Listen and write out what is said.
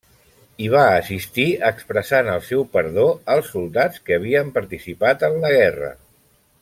Hi va assistir expressant el seu perdó als soldats que havien participat en la guerra.